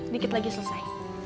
dikit lagi selesai